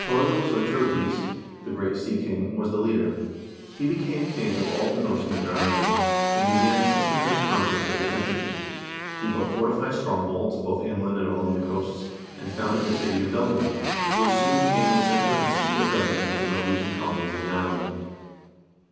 Torgils or Turgeis, the great sea king, was the leader. He became king of all the Norsemen in Ireland, and began a systematic conquest of the country. He built fortified strongholds, both inland and along the coasts, and founded the city of Dublin,1 which soon became the center and seat of government of the Norwegian colonies in the island.